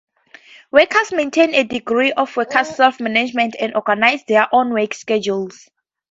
Workers maintain a degree of workers' self-management and organize their own work schedules.